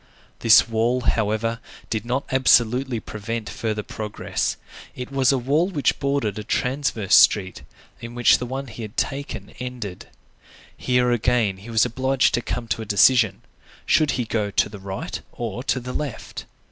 This wall, however, did not absolutely prevent further progress; it was a wall which bordered a transverse street, in which the one he had taken ended. Here again, he was obliged to come to a decision; should he go to the right or to the left.